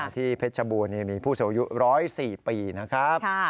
ที่เพชรบูรณ์มีผู้สูงอายุ๑๐๔ปีนะครับ